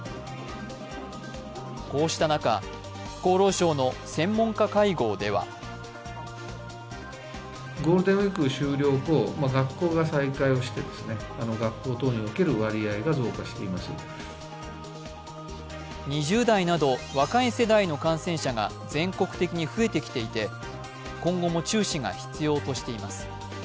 こうした中、厚労省の専門家会合では２０代など若い世代の感染者が全国的に増えてきていて今後も注視が必要としています。